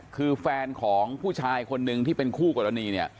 คือแฟนของผู้ชายคนหนึ่งที่เป็นคู่กรณีเนี่ย